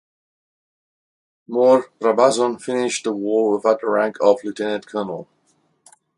Moore-Brabazon finished the war with the rank of Lieutenant-Colonel.